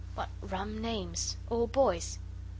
"What rum names. All boys'."